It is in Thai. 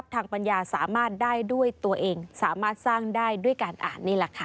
ปัญญาสามารถได้ด้วยตัวเองสามารถสร้างได้ด้วยการอ่านนี่แหละค่ะ